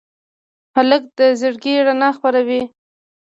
هلک له زړګي رڼا خپروي.